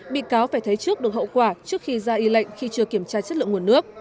bị cáo phải thấy trước được hậu quả trước khi ra y lệnh khi chưa kiểm tra chất lượng nguồn nước